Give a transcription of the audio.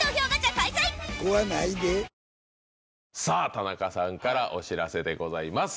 田中さんからお知らせでございます。